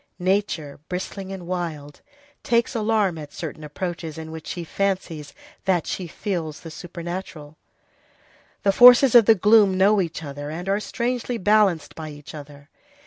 Nature, bristling and wild, takes alarm at certain approaches in which she fancies that she feels the supernatural. The forces of the gloom know each other, and are strangely balanced by each other.